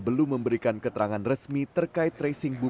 belum memberikan keterangan resmi terkait tracing bus